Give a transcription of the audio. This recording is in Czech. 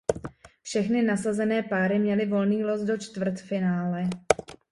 Všechny nasazené páry měly volný los do čtvrtfinále.